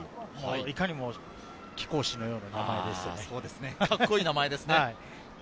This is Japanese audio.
いかにも貴公子のような名前ですね。